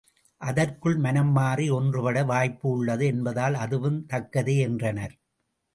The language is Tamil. அதற்குள் மனம் மாறி ஒன்றுபட வாய்ப்பு உள்ளது என்பதால் அதுவும் தக்கதே என்றனர்.